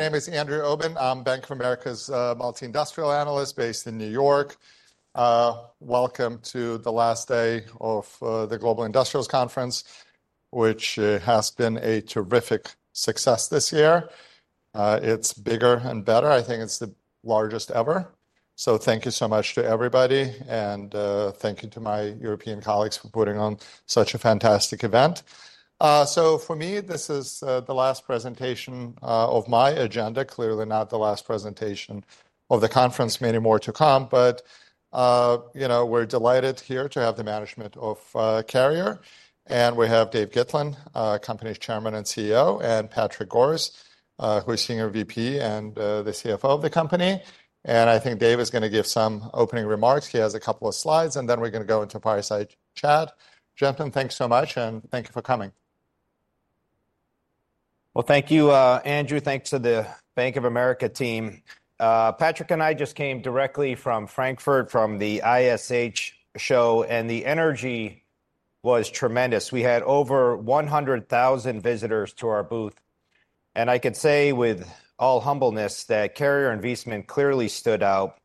My name is Andrew Obin. I'm Bank of America's multi-industrial analyst based in New York. Welcome to the last day of the Global Industrials Conference, which has been a terrific success this year. It's bigger and better. I think it's the largest ever. Thank you so much to everybody, and thank you to my European colleagues for putting on such a fantastic event. For me, this is the last presentation of my agenda, clearly not the last presentation of the conference, many more to come. We're delighted here to have the management of Carrier, and we have Dave Gitlin, Company's Chairman and CEO, and Patrick Goris, who is Senior VP and the CFO of the company. I think Dave is going to give some opening remarks. He has a couple of slides, and then we're going to go into fireside chat. Gentlemen, thanks so much, and thank you for coming. Thank you, Andrew. Thanks to the Bank of America team. Patrick and I just came directly from Frankfurt, from the ISH show, and the energy was tremendous. We had over 100,000 visitors to our booth, and I could say with all humbleness that Carrier and Viessmann clearly stood out.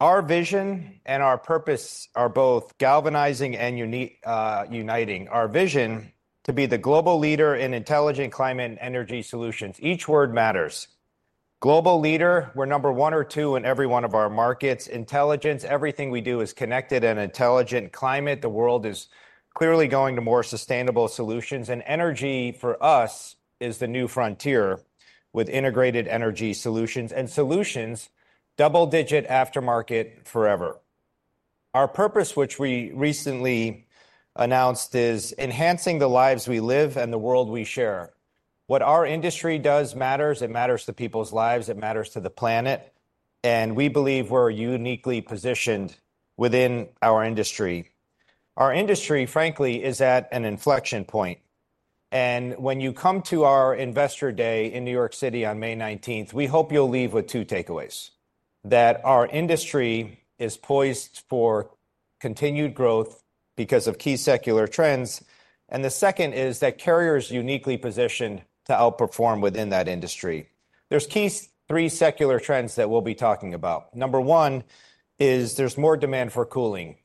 Our vision and our purpose are both galvanizing and uniting. Our vision is to be the global leader in intelligent climate and energy solutions. Each word matters. Global leader, we are number one or two in every one of our markets. Intelligence, everything we do is connected in intelligent climate. The world is clearly going to more sustainable solutions, and energy for us is the new frontier with integrated energy solutions and solutions, double-digit aftermarket forever. Our purpose, which we recently announced, is enhancing the lives we live and the world we share. What our industry does matters. It matters to people's lives. It matters to the planet. We believe we're uniquely positioned within our industry. Our industry, frankly, is at an inflection point. When you come to our Investor Day in New York City on May 19, we hope you'll leave with two takeaways: that our industry is poised for continued growth because of key secular trends, and the second is that Carrier is uniquely positioned to outperform within that industry. There are three key secular trends that we'll be talking about. Number one is there's more demand for cooling.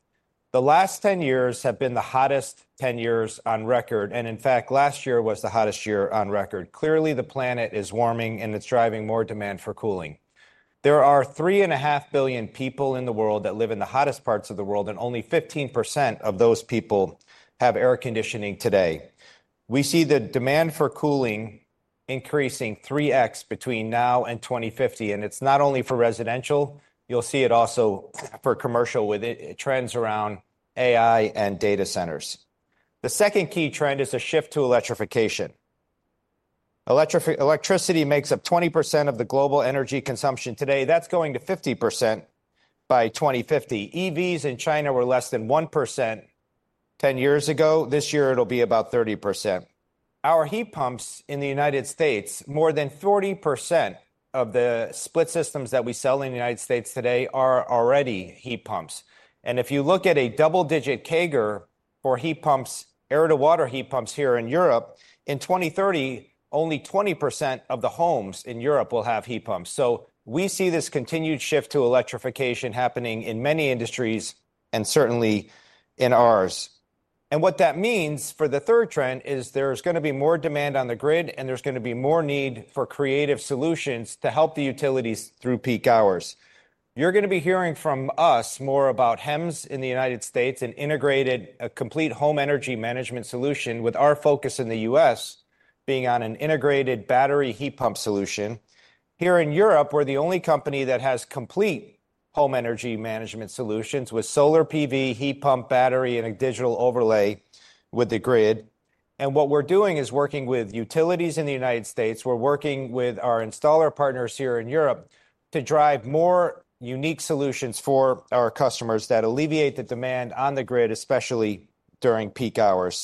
The last 10 years have been the hottest 10 years on record, and in fact, last year was the hottest year on record. Clearly, the planet is warming, and it's driving more demand for cooling. There are 3.5 billion people in the world that live in the hottest parts of the world, and only 15% of those people have air conditioning today. We see the demand for cooling increasing 3x between now and 2050, and it's not only for residential. You'll see it also for commercial with trends around AI and data centers. The second key trend is a shift to electrification. Electricity makes up 20% of the global energy consumption today. That's going to 50% by 2050. EVs in China were less than 1% 10 years ago. This year, it'll be about 30%. Our heat pumps in the United States, more than 40% of the split systems that we sell in the United States today are already heat pumps. If you look at a double-digit CAGR for heat pumps, air-to-water heat pumps here in Europe, in 2030, only 20% of the homes in Europe will have heat pumps. We see this continued shift to electrification happening in many industries and certainly in ours. What that means for the third trend is there's going to be more demand on the grid, and there's going to be more need for creative solutions to help the utilities through peak hours. You're going to be hearing from us more about HEMS in the United States, an integrated, complete home energy management solution, with our focus in the US being on an integrated battery heat pump solution. Here in Europe, we're the only company that has complete home energy management solutions with solar PV, heat pump, battery, and a digital overlay with the grid. What we're doing is working with utilities in the United States. We're working with our installer partners here in Europe to drive more unique solutions for our customers that alleviate the demand on the grid, especially during peak hours.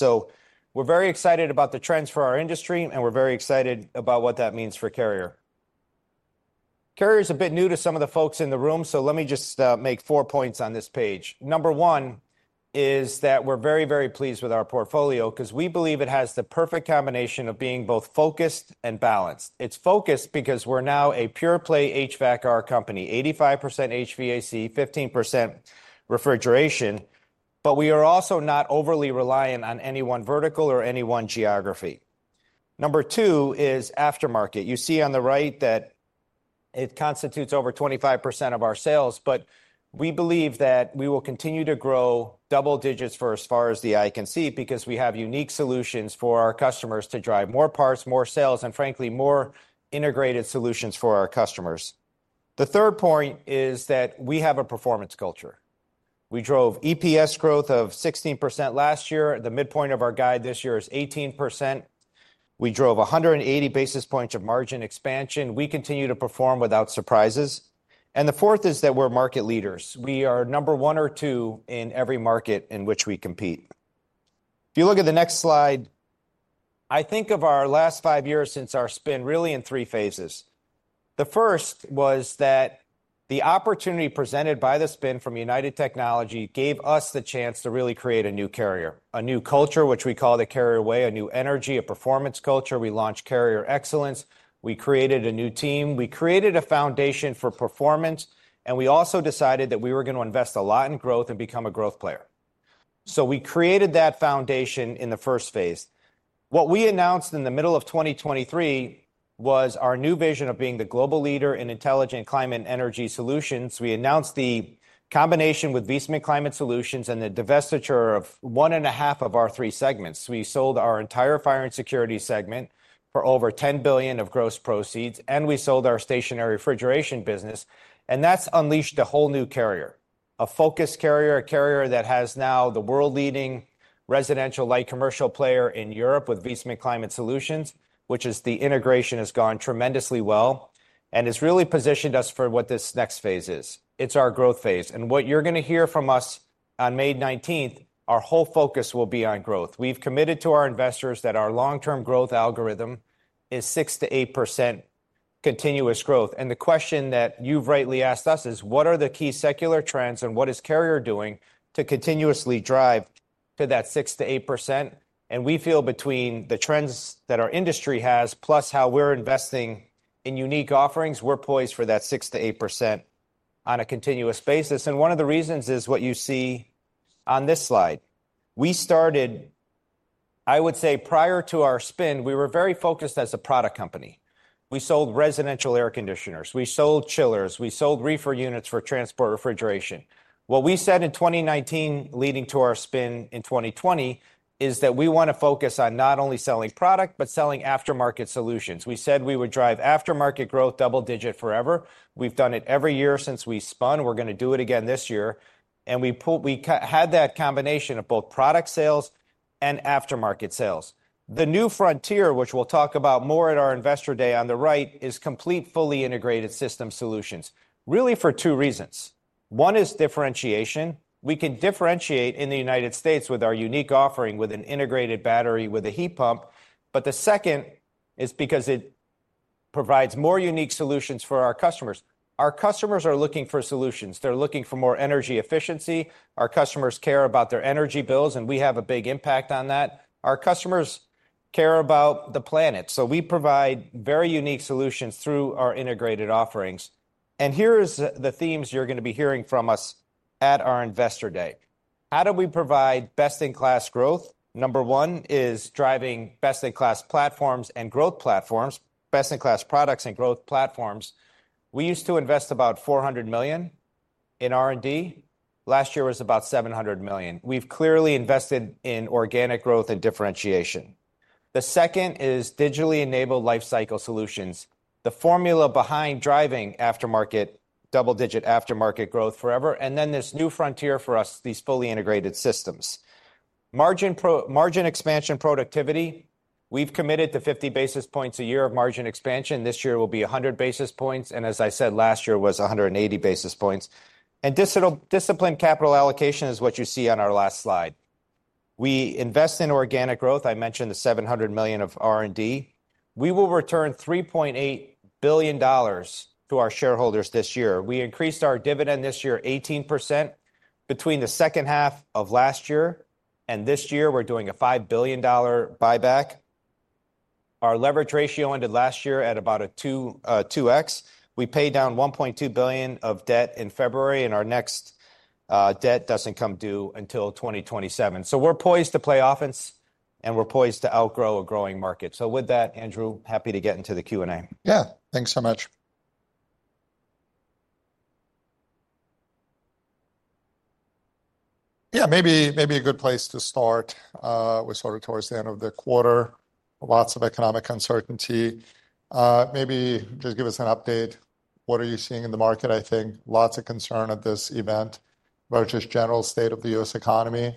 We are very excited about the trends for our industry, and we are very excited about what that means for Carrier. Carrier is a bit new to some of the folks in the room, so let me just make four points on this page. Number one is that we're very, very pleased with our portfolio because we believe it has the perfect combination of being both focused and balanced. It's focused because we're now a pure-play HVACR company, 85% HVAC, 15% refrigeration, but we are also not overly reliant on any one vertical or any one geography. Number two is aftermarket. You see on the right that it constitutes over 25% of our sales, but we believe that we will continue to grow double digits for as far as the eye can see because we have unique solutions for our customers to drive more parts, more sales, and frankly, more integrated solutions for our customers. The third point is that we have a performance culture. We drove EPS growth of 16% last year. The midpoint of our guide this year is 18%. We drove 180 basis points of margin expansion. We continue to perform without surprises. The fourth is that we're market leaders. We are number one or two in every market in which we compete. If you look at the next slide, I think of our last five years since our spin really in three phases. The first was that the opportunity presented by the spin from United Technologies gave us the chance to really create a new Carrier, a new culture, which we call the Carrier Way, a new energy, a performance culture. We launched Carrier Excellence. We created a new team. We created a foundation for performance, and we also decided that we were going to invest a lot in growth and become a growth player. We created that foundation in the first phase. What we announced in the middle of 2023 was our new vision of being the global leader in intelligent climate and energy solutions. We announced the combination with Viessmann Climate Solutions and the divestiture of one and a half of our three segments. We sold our entire fire and security segment for over $10 billion of gross proceeds, and we sold our stationary refrigeration business. That's unleashed a whole new Carrier, a focused Carrier, a Carrier that has now the world-leading residential light commercial player in Europe with Viessmann Climate Solutions, which is the integration has gone tremendously well and has really positioned us for what this next phase is. It's our growth phase. What you're going to hear from us on May 19, our whole focus will be on growth. We've committed to our investors that our long-term growth algorithm is 6-8% continuous growth. The question that you've rightly asked us is, what are the key secular trends and what is Carrier doing to continuously drive to that 6-8%? We feel between the trends that our industry has plus how we're investing in unique offerings, we're poised for that 6-8% on a continuous basis. One of the reasons is what you see on this slide. We started, I would say, prior to our spin, we were very focused as a product company. We sold residential air conditioners. We sold chillers. We sold reefer units for transport refrigeration. What we said in 2019 leading to our spin in 2020 is that we want to focus on not only selling product, but selling aftermarket solutions. We said we would drive aftermarket growth double-digit forever. We've done it every year since we spun. We're going to do it again this year. We had that combination of both product sales and aftermarket sales. The new frontier, which we'll talk about more at our investor day on the right, is complete, fully integrated system solutions, really for two reasons. One is differentiation. We can differentiate in the United States with our unique offering with an integrated battery with a heat pump. The second is because it provides more unique solutions for our customers. Our customers are looking for solutions. They're looking for more energy efficiency. Our customers care about their energy bills, and we have a big impact on that. Our customers care about the planet. We provide very unique solutions through our integrated offerings. Here are the themes you're going to be hearing from us at our investor day. How do we provide best-in-class growth? Number one is driving best-in-class platforms and growth platforms, best-in-class products and growth platforms. We used to invest about $400 million in R&D. Last year was about $700 million. We've clearly invested in organic growth and differentiation. The second is digitally enabled lifecycle solutions, the formula behind driving aftermarket, double-digit aftermarket growth forever. This new frontier for us, these fully integrated systems. Margin expansion productivity. We've committed to 50 basis points a year of margin expansion. This year will be 100 basis points. As I said, last year was 180 basis points. Disciplined capital allocation is what you see on our last slide. We invest in organic growth. I mentioned the $700 million of R&D. We will return $3.8 billion to our shareholders this year. We increased our dividend this year 18% between the second half of last year and this year. We're doing a $5 billion buyback. Our leverage ratio ended last year at about a 2x. We paid down $1.2 billion of debt in February, and our next debt doesn't come due until 2027. We're poised to play offense, and we're poised to outgrow a growing market. With that, Andrew, happy to get into the Q&A. Yeah, thanks so much. Yeah, maybe a good place to start. We're sort of towards the end of the quarter, lots of economic uncertainty. Maybe just give us an update. What are you seeing in the market? I think lots of concern at this event about just general state of the U.S. economy,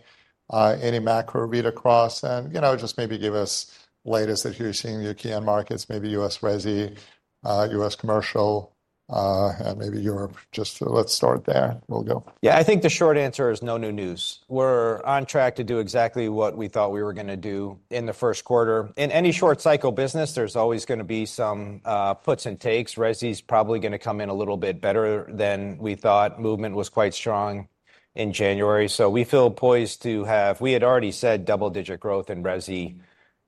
any macro read across, and just maybe give us latest that you're seeing in the U.K. and markets, maybe U.S. resi, U.S. commercial, and maybe Europe. Just let's start there. We'll go. Yeah, I think the short answer is no new news. We're on track to do exactly what we thought we were going to do in the first quarter. In any short cycle business, there's always going to be some puts and takes. Resi is probably going to come in a little bit better than we thought. Movement was quite strong in January. We feel poised to have, we had already said double-digit growth in resi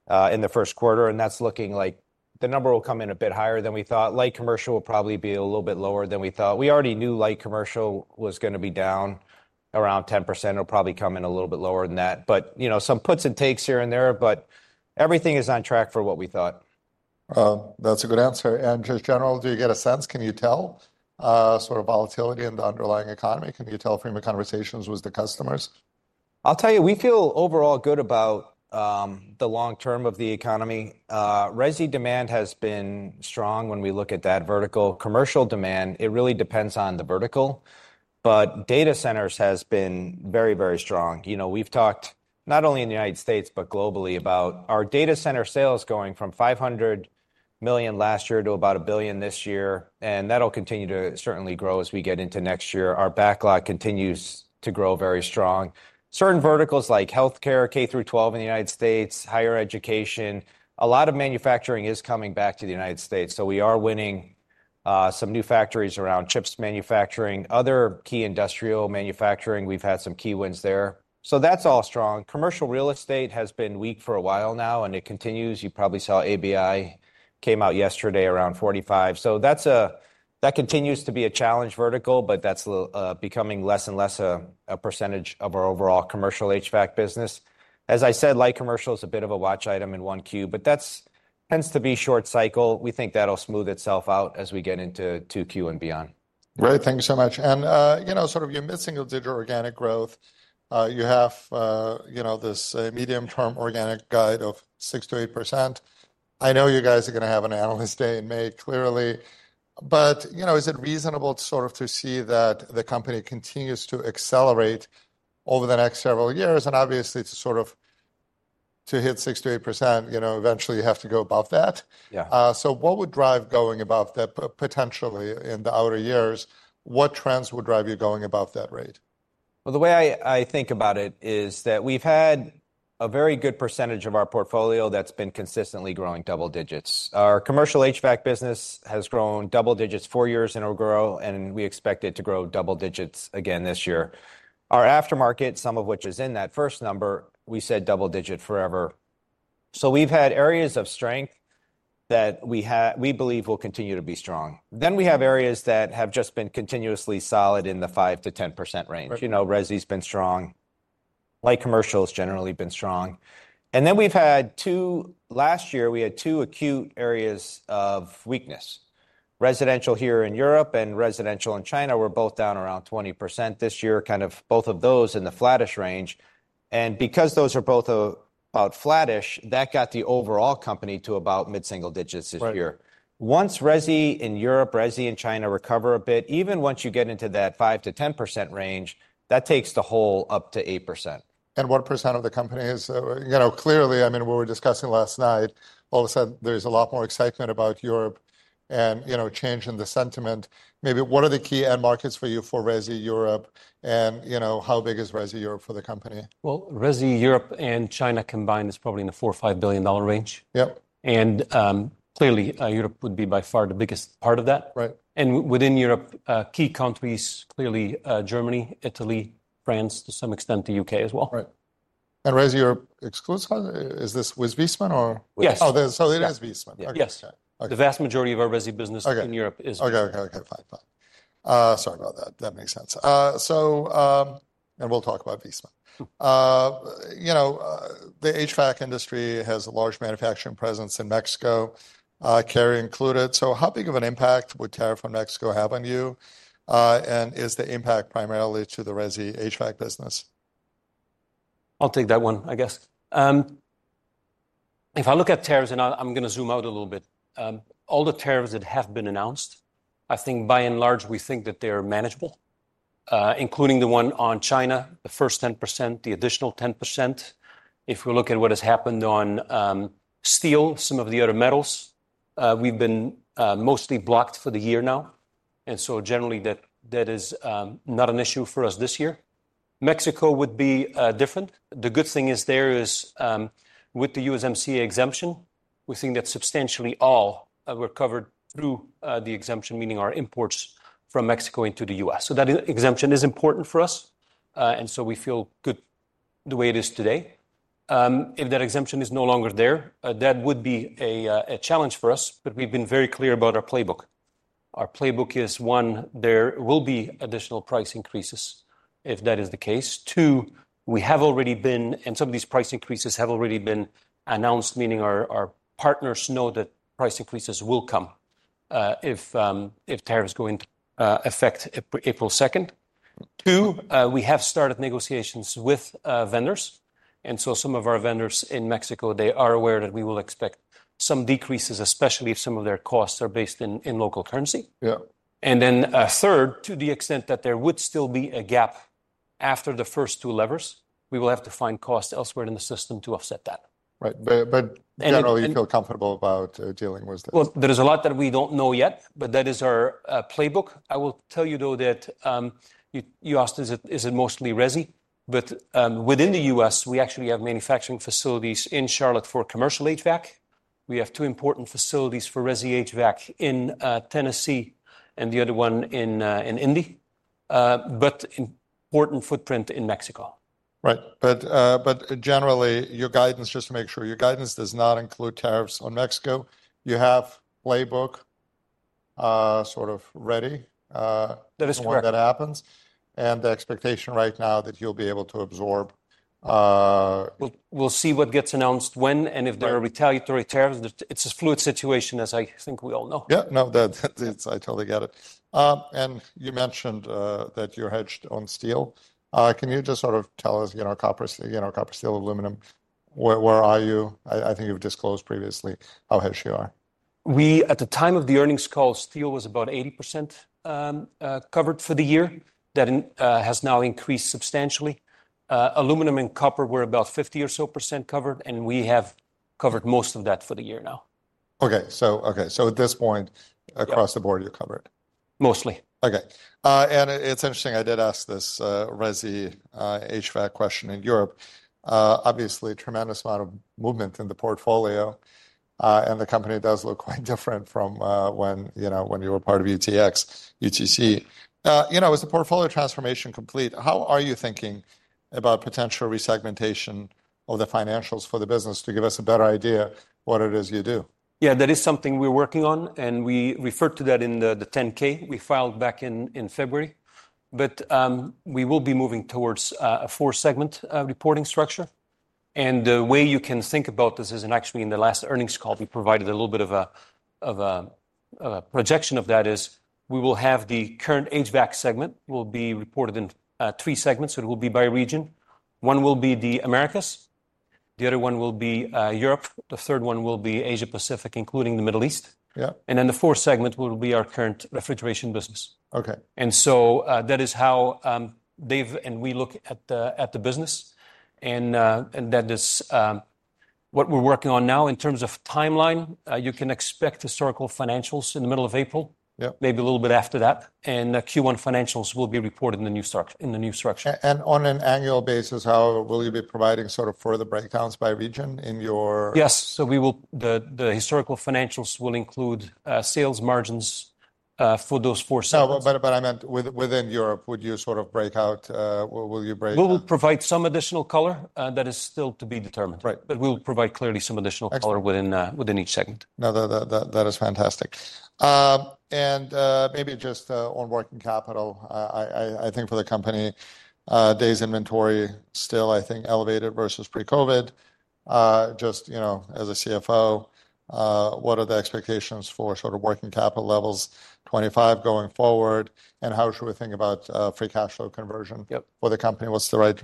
in the first quarter, and that's looking like the number will come in a bit higher than we thought. Light commercial will probably be a little bit lower than we thought. We already knew light commercial was going to be down around 10%. It'll probably come in a little bit lower than that, but some puts and takes here and there, but everything is on track for what we thought. That's a good answer. Just general, do you get a sense? Can you tell sort of volatility in the underlying economy? Can you tell from your conversations with the customers? I'll tell you, we feel overall good about the long term of the economy. Resi demand has been strong when we look at that vertical. Commercial demand, it really depends on the vertical, but data centers have been very, very strong. We've talked not only in the U.S., but globally about our data center sales going from $500 million last year to about $1 billion this year, and that'll continue to certainly grow as we get into next year. Our backlog continues to grow very strong. Certain verticals like healthcare, K-12 in the U.S., higher education, a lot of manufacturing is coming back to the U.S. We are winning some new factories around chips manufacturing, other key industrial manufacturing. We've had some key wins there. That's all strong. Commercial real estate has been weak for a while now, and it continues. You probably saw ABI came out yesterday around 45. That continues to be a challenge vertical, but that's becoming less and less a percentage of our overall commercial HVAC business. As I said, light commercial is a bit of a watch item in Q1, but that tends to be short cycle. We think that'll smooth itself out as we get into Q2 and beyond. Great. Thank you so much. Sort of you're missing a digital organic growth. You have this medium-term organic guide of 6-8%. I know you guys are going to have an analyst day in May clearly, but is it reasonable to sort of see that the company continues to accelerate over the next several years? Obviously, to sort of hit 6-8%, eventually you have to go above that. What would drive going above that potentially in the outer years? What trends would drive you going above that rate? The way I think about it is that we've had a very good percentage of our portfolio that's been consistently growing double digits. Our commercial HVAC business has grown double digits four years in a row, and we expect it to grow double digits again this year. Our aftermarket, some of which is in that first number, we said double digit forever. We've had areas of strength that we believe will continue to be strong. We have areas that have just been continuously solid in the 5-10% range. Resi has been strong. Light commercial has generally been strong. Last year, we had two acute areas of weakness. Residential here in Europe and residential in China were both down around 20% this year, kind of both of those in the flattish range. Because those are both about flattish, that got the overall company to about mid-single digits this year. Once resi in Europe, resi in China recover a bit, even once you get into that 5-10% range, that takes the whole up to 8%. What percent of the company is clearly, I mean, what we were discussing last night, all of a sudden, there's a lot more excitement about Europe and change in the sentiment. Maybe what are the key end markets for you for resi Europe and how big is resi Europe for the company? Resi Europe and China combined is probably in the $4 billion or $5 billion range. Clearly, Europe would be by far the biggest part of that. Within Europe, key countries clearly Germany, Italy, France, to some extent the U.K. as well. Resi Europe excludes? Is this with Viessmann or? Yes. Oh, so it is Viessmann. Yes. The vast majority of our resi business in Europe is Viessmann. Okay, okay, okay. Fine. Fine. Sorry about that. That makes sense. We'll talk about Viessmann. The HVAC industry has a large manufacturing presence in Mexico, Carrier included. How big of an impact would tariff on Mexico have on you? Is the impact primarily to the resi HVAC business? I'll take that one, I guess. If I look at tariffs, and I'm going to zoom out a little bit, all the tariffs that have been announced, I think by and large, we think that they're manageable, including the one on China, the first 10%, the additional 10%. If we look at what has happened on steel, some of the other metals, we've been mostly blocked for the year now. Generally, that is not an issue for us this year. Mexico would be different. The good thing is there is with the USMCA exemption, we think that substantially all were covered through the exemption, meaning our imports from Mexico into the U.S. That exemption is important for us. We feel good the way it is today. If that exemption is no longer there, that would be a challenge for us, but we've been very clear about our playbook. Our playbook is one, there will be additional price increases if that is the case. Two, we have already been, and some of these price increases have already been announced, meaning our partners know that price increases will come if tariffs go into effect April 2. Two, we have started negotiations with vendors. Some of our vendors in Mexico, they are aware that we will expect some decreases, especially if some of their costs are based in local currency. Then third, to the extent that there would still be a gap after the first two levers, we will have to find costs elsewhere in the system to offset that. Right. Generally, you feel comfortable about dealing with that? There is a lot that we do not know yet, but that is our playbook. I will tell you, though, that you asked, is it mostly resi? Within the U.S., we actually have manufacturing facilities in Charlotte for commercial HVAC. We have two important facilities for resi HVAC in Tennessee and the other one in Indianapolis, but important footprint in Mexico. Right. Generally, your guidance, just to make sure, your guidance does not include tariffs on Mexico. You have a playbook sort of ready for when that happens, and the expectation right now is that you'll be able to absorb. We'll see what gets announced when and if there are retaliatory tariffs. It's a fluid situation, as I think we all know. Yeah. No, I totally get it. You mentioned that you're hedged on steel. Can you just sort of tell us, copper, steel, aluminum, where are you? I think you've disclosed previously how hedged you are. We, at the time of the earnings call, steel was about 80% covered for the year. That has now increased substantially. Aluminum and copper were about 50% or so covered, and we have covered most of that for the year now. Okay. At this point, across the board, you're covered? Mostly. Okay. It is interesting, I did ask this resi HVAC question in Europe. Obviously, tremendous amount of movement in the portfolio, and the company does look quite different from when you were part of UTX, UTC. With the portfolio transformation complete, how are you thinking about potential resegmentation of the financials for the business to give us a better idea what it is you do? Yeah, that is something we're working on, and we referred to that in the 10-K we filed back in February. We will be moving towards a four-segment reporting structure. The way you can think about this is, and actually in the last earnings call, we provided a little bit of a projection of that, is we will have the current HVAC segment reported in three segments. It will be by region. One will be the Americas. The other one will be Europe. The third one will be Asia-Pacific, including the Middle East. The fourth segment will be our current refrigeration business. That is how Dave and we look at the business. That is what we're working on now in terms of timeline. You can expect historical financials in the middle of April, maybe a little bit after that. Q1 financials will be reported in the new structure. On an annual basis, how will you be providing sort of further breakdowns by region in your? Yes. The historical financials will include sales margins for those four segments. I meant, within Europe, would you sort of break out? Will you break? We will provide some additional color. That is still to be determined. We will provide clearly some additional color within each segment. No, that is fantastic. Maybe just on working capital, I think for the company, Dave's inventory still, I think, elevated versus pre-COVID. Just as a CFO, what are the expectations for sort of working capital levels, 2025 going forward? How should we think about free cash flow conversion for the company? What's the right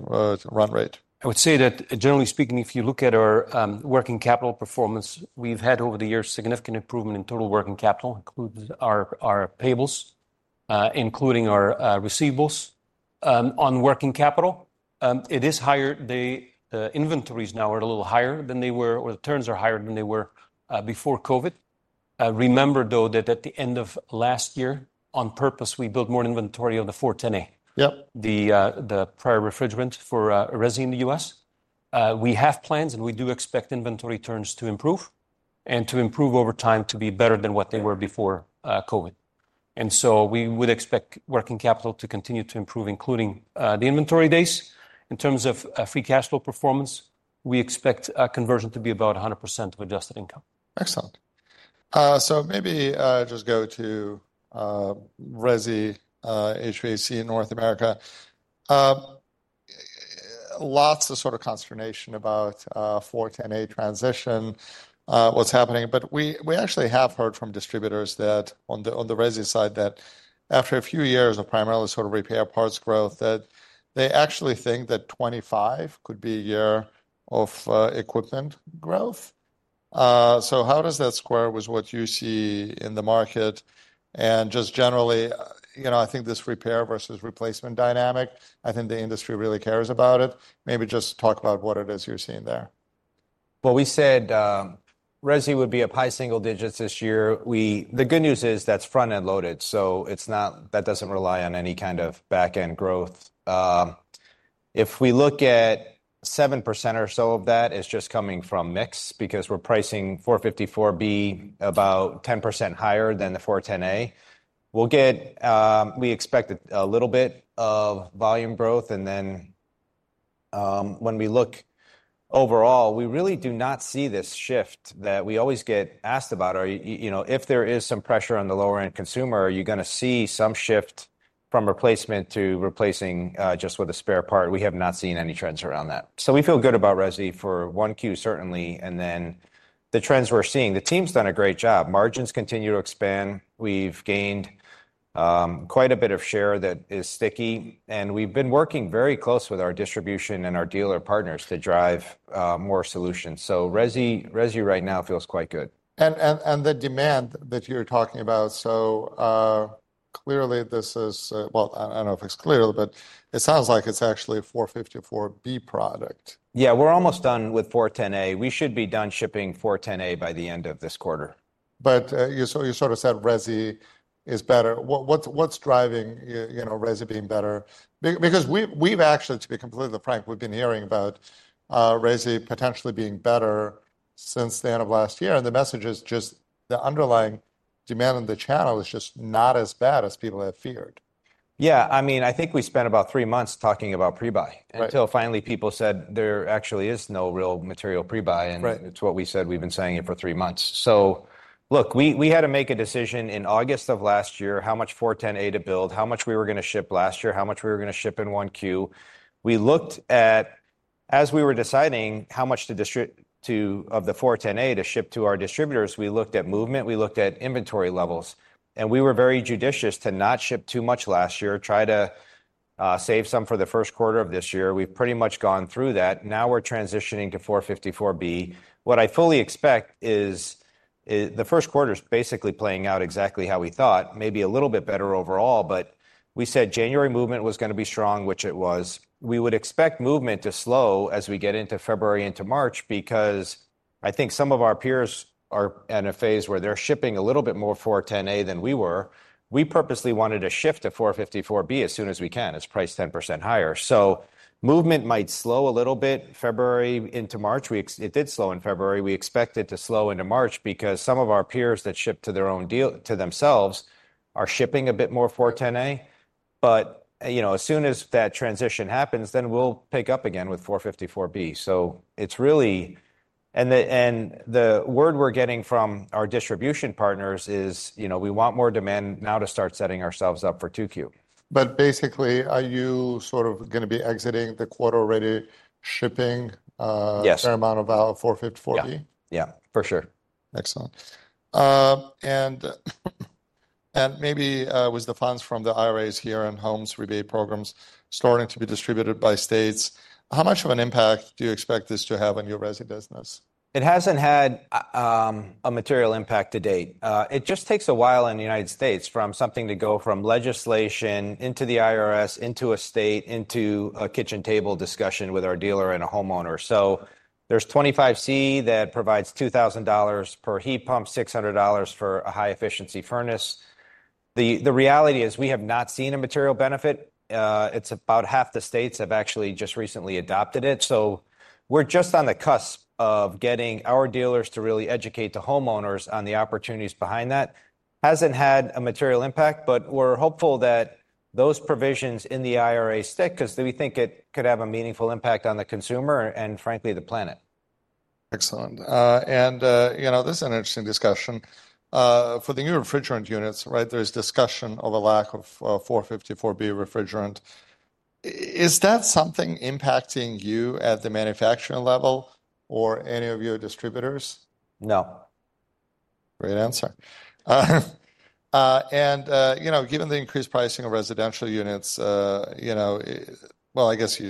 run rate? I would say that generally speaking, if you look at our working capital performance, we've had over the years significant improvement in total working capital, including our payables, including our receivables on working capital. It is higher. The inventories now are a little higher than they were, or the turns are higher than they were before COVID. Remember, though, that at the end of last year, on purpose, we built more inventory on the 410A, the prior refrigerant for resi in the US. We have plans, and we do expect inventory turns to improve and to improve over time to be better than what they were before COVID. We would expect working capital to continue to improve, including the inventory days. In terms of free cash flow performance, we expect conversion to be about 100% of adjusted income. Excellent. Maybe just go to resi HVAC in North America. Lots of sort of consternation about 410A transition, what's happening. We actually have heard from distributors on the resi side that after a few years of primarily sort of repair parts growth, they actually think that 2025 could be a year of equipment growth. How does that square with what you see in the market? Just generally, I think this repair versus replacement dynamic, I think the industry really cares about it. Maybe just talk about what it is you're seeing there. We said resi would be a pie single digits this year. The good news is that's front-end loaded. That doesn't rely on any kind of back-end growth. If we look at 7% or so of that, it's just coming from mix because we're pricing 454B about 10% higher than the 410A. We expect a little bit of volume growth. When we look overall, we really do not see this shift that we always get asked about. If there is some pressure on the lower-end consumer, are you going to see some shift from replacement to replacing just with a spare part? We have not seen any trends around that. We feel good about resi for 1Q, certainly. The trends we're seeing, the team's done a great job. Margins continue to expand. We've gained quite a bit of share that is sticky. We have been working very close with our distribution and our dealer partners to drive more solutions. Resi right now feels quite good. The demand that you're talking about, so clearly this is, well, I don't know if it's clearly, but it sounds like it's actually a 454B product. Yeah, we're almost done with 410A. We should be done shipping 410A by the end of this quarter. You sort of said resi is better. What's driving resi being better? Because we've actually, to be completely frank, we've been hearing about resi potentially being better since the end of last year. The message is just the underlying demand in the channel is just not as bad as people have feared. Yeah. I mean, I think we spent about three months talking about prebuy until finally people said there actually is no real material prebuy. It is what we said, we have been saying it for three months. Look, we had to make a decision in August of last year how much 410A to build, how much we were going to ship last year, how much we were going to ship in Q1. We looked at, as we were deciding how much of the 410A to ship to our distributors, we looked at movement, we looked at inventory levels. We were very judicious to not ship too much last year, try to save some for the first quarter of this year. We have pretty much gone through that. Now we are transitioning to 454B. What I fully expect is the first quarter is basically playing out exactly how we thought, maybe a little bit better overall. We said January movement was going to be strong, which it was. We would expect movement to slow as we get into February into March because I think some of our peers are in a phase where they're shipping a little bit more 410A than we were. We purposely wanted to shift to 454B as soon as we can. It's priced 10% higher. Movement might slow a little bit February into March. It did slow in February. We expect it to slow into March because some of our peers that ship to themselves are shipping a bit more 410A. As soon as that transition happens, then we'll pick up again with 454B. It is really, and the word we are getting from our distribution partners is we want more demand now to start setting ourselves up for 2Q. Are you sort of going to be exiting the quarter ready shipping fair amount of 454B? Yeah, yeah, for sure. Excellent. Maybe with the funds from the IRA here and HOMES rebate programs starting to be distributed by states, how much of an impact do you expect this to have on your resi business? It has not had a material impact to date. It just takes a while in the United States for something to go from legislation into the IRS, into a state, into a kitchen table discussion with our dealer and a homeowner. There is 25C that provides $2,000 per heat pump, $600 for a high-efficiency furnace. The reality is we have not seen a material benefit. It is about half the states have actually just recently adopted it. We are just on the cusp of getting our dealers to really educate the homeowners on the opportunities behind that. It has not had a material impact, but we are hopeful that those provisions in the IRA stick because we think it could have a meaningful impact on the consumer and, frankly, the planet. Excellent. This is an interesting discussion. For the new refrigerant units, there's discussion of a lack of 454B refrigerant. Is that something impacting you at the manufacturing level or any of your distributors? No. Great answer. Given the increased pricing of residential units, I guess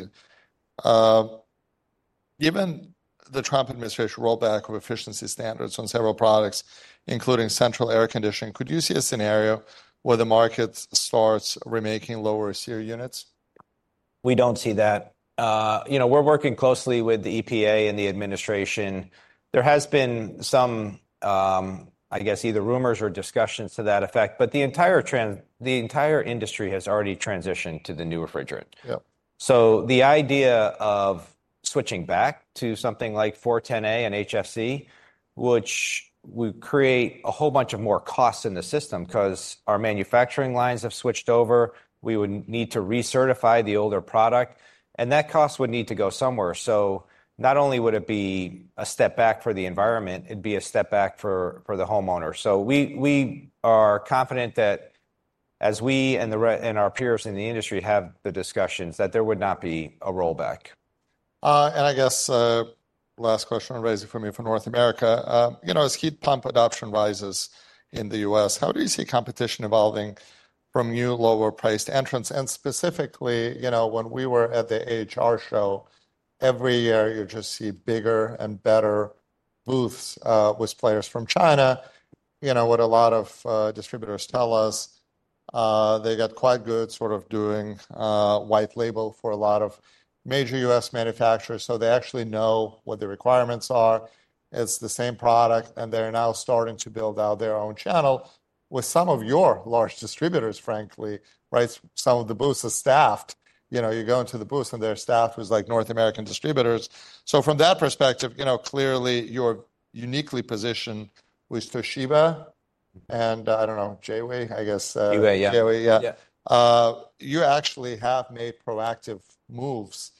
given the Trump administration rollback of efficiency standards on several products, including central air conditioning, could you see a scenario where the market starts remaking lower-tier units? We do not see that. We are working closely with the EPA and the administration. There has been some, I guess, either rumors or discussions to that effect. The entire industry has already transitioned to the new refrigerant. The idea of switching back to something like 410A and HFC, which would create a whole bunch of more costs in the system because our manufacturing lines have switched over, we would need to recertify the older product. That cost would need to go somewhere. Not only would it be a step back for the environment, it would be a step back for the homeowner. We are confident that as we and our peers in the industry have the discussions, there would not be a rollback. I guess last question on resi for me for North America. As heat pump adoption rises in the U.S., how do you see competition evolving from new lower-priced entrants? Specifically, when we were at the AHR show every year you just see bigger and better booths with players from China. What a lot of distributors tell us, they got quite good sort of doing white label for a lot of major U.S. manufacturers. They actually know what the requirements are. It's the same product. They're now starting to build out their own channel with some of your large distributors, frankly. Some of the booths are staffed. You go into the booth and they're staffed with North American distributors. From that perspective, clearly, you're uniquely positioned with Toshiba and, I don't know, Giwee, I guess. Giwee, yeah. Giwee, yeah. You actually have made proactive moves.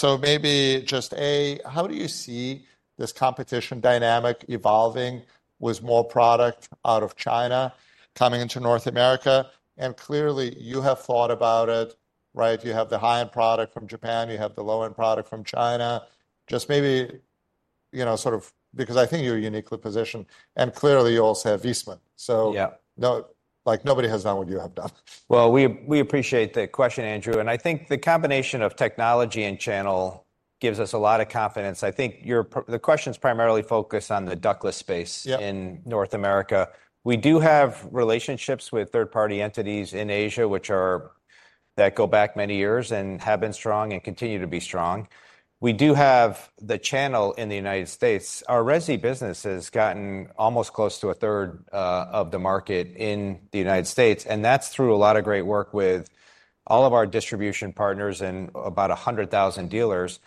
Maybe just, A, how do you see this competition dynamic evolving with more product out of China coming into North America? Clearly, you have thought about it. You have the high-end product from Japan. You have the low-end product from China. Just maybe sort of because I think you're uniquely positioned. Clearly, you also have Viessmann. Nobody has done what you have done. We appreciate the question, Andrew. I think the combination of technology and channel gives us a lot of confidence. I think the question's primarily focused on the ductless space in North America. We do have relationships with third-party entities in Asia that go back many years and have been strong and continue to be strong. We do have the channel in the United States. Our resi business has gotten almost close to a third of the market in the United States. That is through a lot of great work with all of our distribution partners and about 100,000 dealers.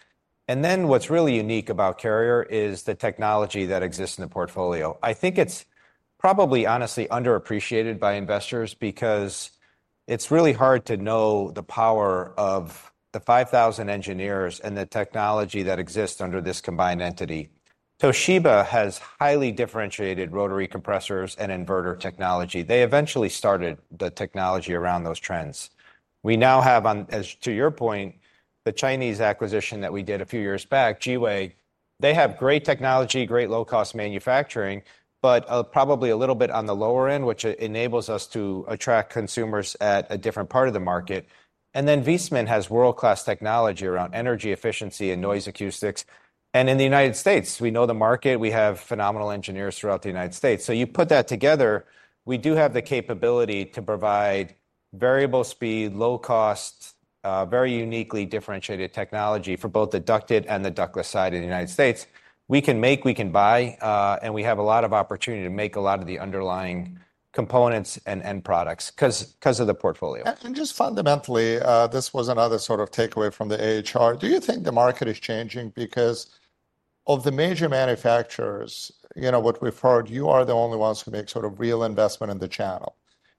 What is really unique about Carrier is the technology that exists in the portfolio. I think it is probably, honestly, underappreciated by investors because it is really hard to know the power of the 5,000 engineers and the technology that exists under this combined entity. Toshiba has highly differentiated rotary compressors and inverter technology. They eventually started the technology around those trends. We now have, to your point, the Chinese acquisition that we did a few years back, Giwee. They have great technology, great low-cost manufacturing, but probably a little bit on the lower end, which enables us to attract consumers at a different part of the market. Viessmann has world-class technology around energy efficiency and noise acoustics. In the United States, we know the market. We have phenomenal engineers throughout the United States. You put that together, we do have the capability to provide variable speed, low-cost, very uniquely differentiated technology for both the ducted and the ductless side in the United States. We can make, we can buy, and we have a lot of opportunity to make a lot of the underlying components and products because of the portfolio. Just fundamentally, this was another sort of takeaway from the HR. Do you think the market is changing because of the major manufacturers? What we've heard, you are the only ones who make sort of real investment in the channel.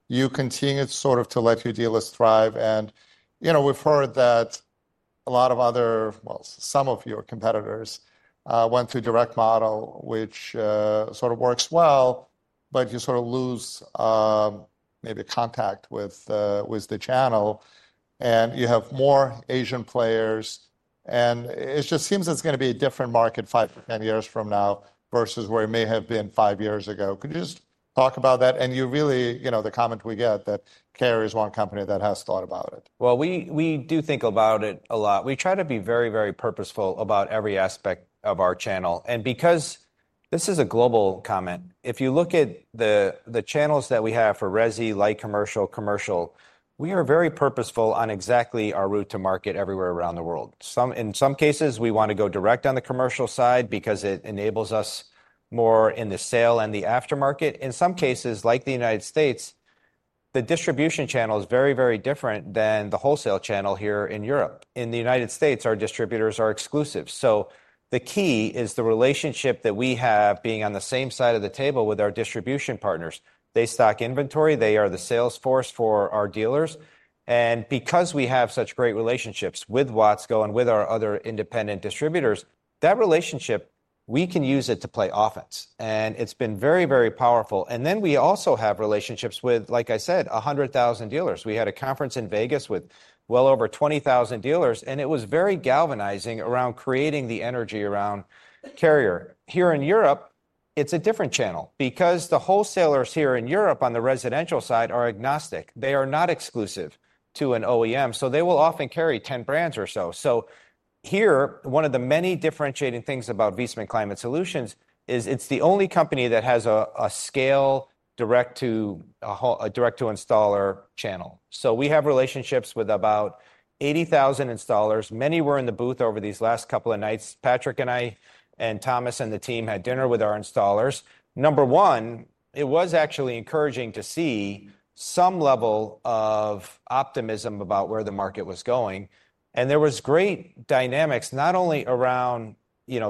You continue sort of to let your dealers thrive. We've heard that a lot of other, well, some of your competitors went to direct model, which sort of works well, but you sort of lose maybe contact with the channel. You have more Asian players. It just seems it's going to be a different market 5 to 10 years from now versus where it may have been 5 years ago. Could you just talk about that? The comment we get is that Carrier is one company that has thought about it. We do think about it a lot. We try to be very, very purposeful about every aspect of our channel. Because this is a global comment, if you look at the channels that we have for resi, light commercial, commercial, we are very purposeful on exactly our route to market everywhere around the world. In some cases, we want to go direct on the commercial side because it enables us more in the sale and the aftermarket. In some cases, like the United States, the distribution channel is very, very different than the wholesale channel here in Europe. In the United States, our distributors are exclusive. The key is the relationship that we have being on the same side of the table with our distribution partners. They stock inventory. They are the sales force for our dealers. Because we have such great relationships with Watsco and with our other independent distributors, that relationship, we can use it to play offense. It has been very, very powerful. We also have relationships with, like I said, 100,000 dealers. We had a conference in Las Vegas with well over 20,000 dealers. It was very galvanizing around creating the energy around Carrier. Here in Europe, it is a different channel because the wholesalers here in Europe on the residential side are agnostic. They are not exclusive to an OEM. They will often carry 10 brands or so. Here, one of the many differentiating things about Viessmann Climate Solutions is it is the only company that has a scale direct to installer channel. We have relationships with about 80,000 installers. Many were in the booth over these last couple of nights. Patrick and I and Thomas and the team had dinner with our installers. Number one, it was actually encouraging to see some level of optimism about where the market was going. There was great dynamics not only around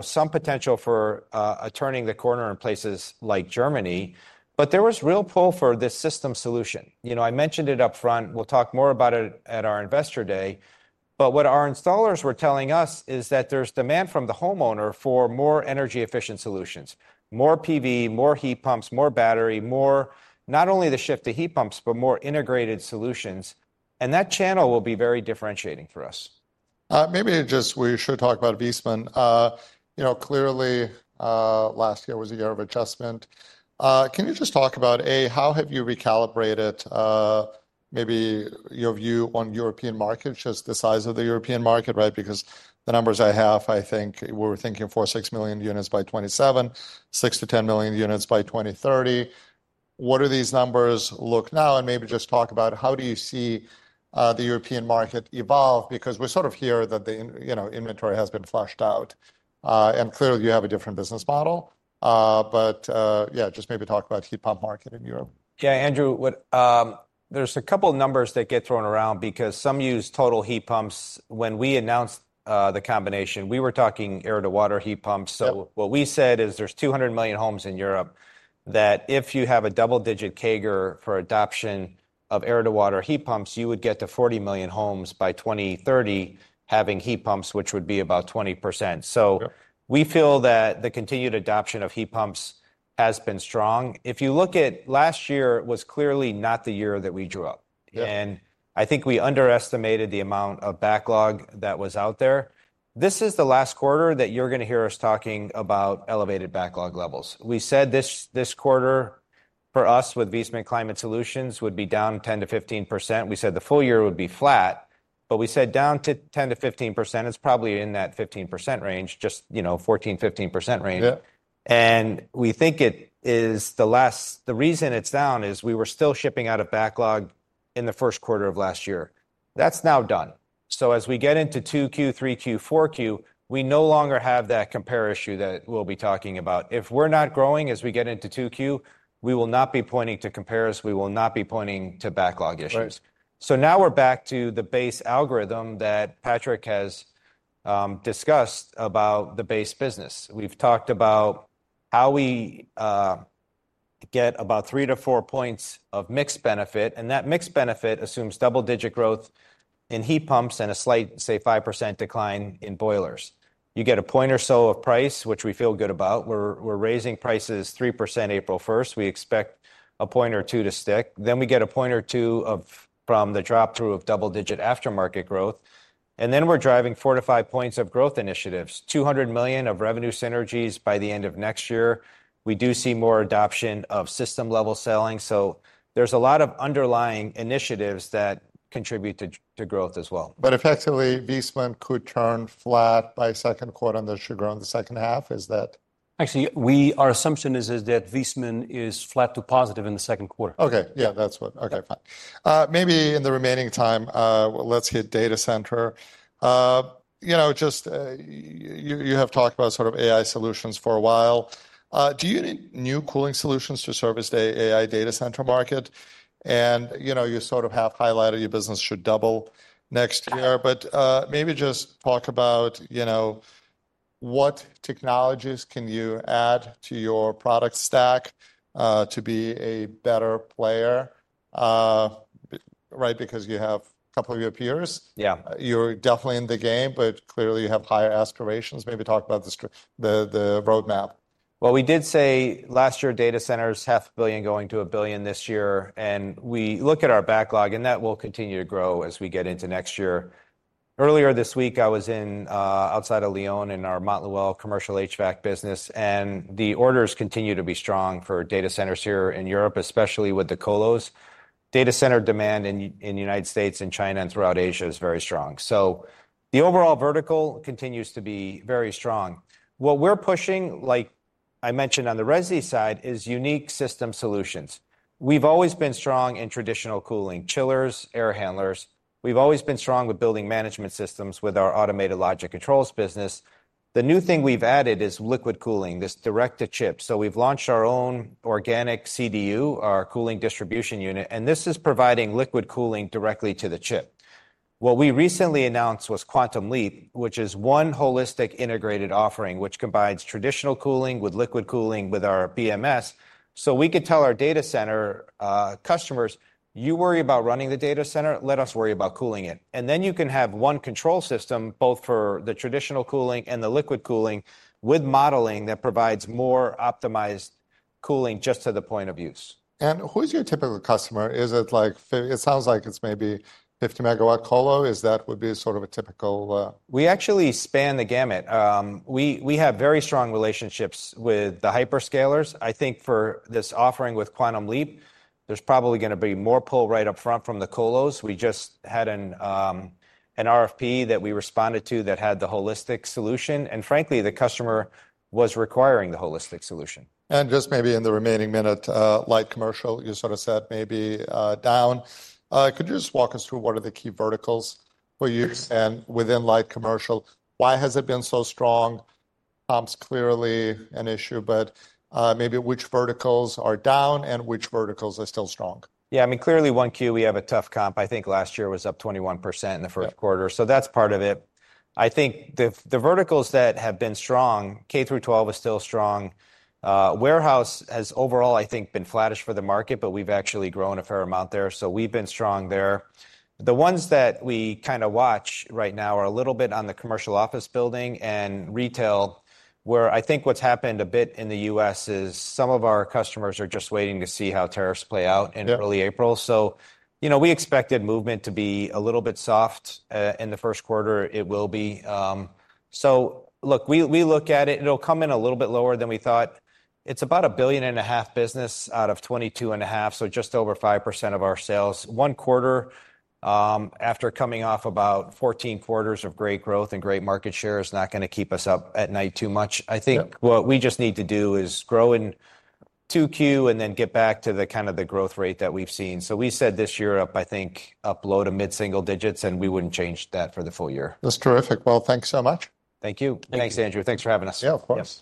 some potential for turning the corner in places like Germany, but there was real pull for this system solution. I mentioned it upfront. We will talk more about it at our investor day. What our installers were telling us is that there is demand from the homeowner for more energy-efficient solutions, more PV, more heat pumps, more battery, not only the shift to heat pumps, but more integrated solutions. That channel will be very differentiating for us. Maybe we should talk about Viessmann. Clearly, last year was a year of adjustment. Can you just talk about, A, how have you recalibrated maybe your view on European markets, just the size of the European market? Because the numbers I have, I think we were thinking 4-6 million units by 2027, 6-10 million units by 2030. What do these numbers look now? Maybe just talk about how do you see the European market evolve? We sort of hear that the inventory has been flushed out. Clearly, you have a different business model. Yeah, just maybe talk about the heat pump market in Europe. Yeah, Andrew, there's a couple of numbers that get thrown around because some use total heat pumps. When we announced the combination, we were talking air-to-water heat pumps. What we said is there's 200 million homes in Europe that if you have a double-digit CAGR for adoption of air-to-water heat pumps, you would get to 40 million homes by 2030 having heat pumps, which would be about 20%. We feel that the continued adoption of heat pumps has been strong. If you look at last year, it was clearly not the year that we drew up. I think we underestimated the amount of backlog that was out there. This is the last quarter that you're going to hear us talking about elevated backlog levels. We said this quarter for us with Viessmann Climate Solutions would be down 10-15%. We said the full year would be flat. We said down to 10-15%. It is probably in that 15% range, just 14-15% range. We think the reason it is down is we were still shipping out of backlog in the first quarter of last year. That is now done. As we get into 2Q, 3Q, 4Q, we no longer have that compare issue that we will be talking about. If we are not growing as we get into 2Q, we will not be pointing to compares. We will not be pointing to backlog issues. Now we are back to the base algorithm that Patrick has discussed about the base business. We have talked about how we get about three to four points of mixed benefit. That mixed benefit assumes double-digit growth in heat pumps and a slight, say, 5% decline in boilers. You get a point or so of price, which we feel good about. We're raising prices 3% April 1. We expect a point or two to stick. We get a point or two from the drop-through of double-digit aftermarket growth. We are driving four to five points of growth initiatives, $200 million of revenue synergies by the end of next year. We do see more adoption of system-level selling. There are a lot of underlying initiatives that contribute to growth as well. Effectively, Viessmann could turn flat by second quarter unless you're growing the second half. Is that? Actually, our assumption is that Viessmann is flat to positive in the second quarter. Okay. Yeah, that's what. Okay, fine. Maybe in the remaining time, let's hit data center. You have talked about sort of AI solutions for a while. Do you need new cooling solutions to service the AI data center market? You sort of have highlighted your business should double next year. Maybe just talk about what technologies can you add to your product stack to be a better player, right? Because you have a couple of your peers. Yeah. You're definitely in the game, but clearly you have higher aspirations. Maybe talk about the roadmap. We did say last year data centers half a billion going to a billion this year. We look at our backlog, and that will continue to grow as we get into next year. Earlier this week, I was outside of Lyon in our Montluel commercial HVAC business. The orders continue to be strong for data centers here in Europe, especially with the colos. Data center demand in the United States and China and throughout Asia is very strong. The overall vertical continues to be very strong. What we're pushing, like I mentioned on the resi side, is unique system solutions. We've always been strong in traditional cooling, chillers, air handlers. We've always been strong with building management systems with our Automated Logic controls business. The new thing we've added is liquid cooling, this direct-to-chip. We've launched our own organic CDU, our cooling distribution unit. This is providing liquid cooling directly to the chip. What we recently announced was a quantum leap, which is one holistic integrated offering which combines traditional cooling with liquid cooling with our BMS. You could tell our data center customers, you worry about running the data center, let us worry about cooling it. You can have one control system both for the traditional cooling and the liquid cooling with modeling that provides more optimized cooling just to the point of use. Who is your typical customer? Is it like it sounds like it's maybe 50 megawatt colo? Is that would be sort of a typical? We actually span the gamut. We have very strong relationships with the hyperscalers. I think for this offering with quantum leap, there's probably going to be more pull right up front from the colos. We just had an RFP that we responded to that had the holistic solution. Frankly, the customer was requiring the holistic solution. Maybe in the remaining minute, light commercial, you sort of said maybe down. Could you just walk us through what are the key verticals for you within light commercial? Why has it been so strong? Pumps clearly an issue, but maybe which verticals are down and which verticals are still strong? Yeah, I mean, clearly 1Q we have a tough comp. I think last year was up 21% in the first quarter. That's part of it. I think the verticals that have been strong, K through 12 is still strong. Warehouse has overall, I think, been flattish for the market, but we've actually grown a fair amount there. We've been strong there. The ones that we kind of watch right now are a little bit on the commercial office building and retail, where I think what's happened a bit in the U.S. is some of our customers are just waiting to see how tariffs play out in early April. We expected movement to be a little bit soft in the first quarter. It will be. Look, we look at it. It'll come in a little bit lower than we thought. It's about a billion and a half business out of $22.5 billion, so just over 5% of our sales. One quarter after coming off about 14 quarters of great growth and great market share is not going to keep us up at night too much. I think what we just need to do is grow in 2Q and then get back to the kind of the growth rate that we've seen. We said this year up, I think, up low to mid-single digits, and we wouldn't change that for the full year. That's terrific. Thank you so much. Thank you. Thanks, Andrew. Thanks for having us. Yeah, of course.